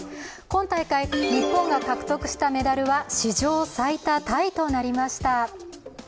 今大会、日本が獲得したメダルは史上最多タイとなりました。